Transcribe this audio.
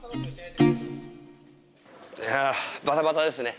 いやあバタバタですね。